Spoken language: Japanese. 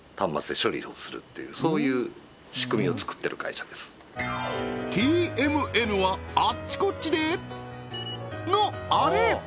何でもこういう端末でＴＭＮはあっちこっちでのあれ！